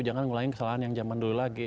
jangan ngulangin kesalahan yang zaman dulu lagi